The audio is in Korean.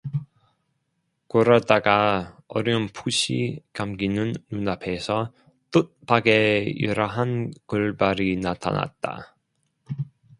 그러다가 어렴풋이 감기는 눈앞에서 뜻밖에 이러한 글발이 나타났다.